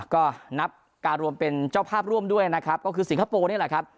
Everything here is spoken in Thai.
ก็นับการรวมเป็นเจ้าภาพร่วมด้วยนะครับก็คือสิงคโปร์นี่แหละครับ